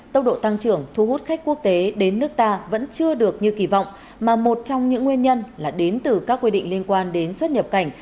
tốc độ tăng trưởng thu hút khách quốc tế đến nước ta vẫn chưa được như kỳ vọng mà một trong những nguyên nhân là đến từ các quy định liên quan đến xuất nhập cảnh